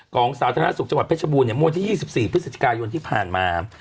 สาธารณสุขจังหวัดเพชรบูรณมวลที่๒๔พฤศจิกายนที่ผ่านมา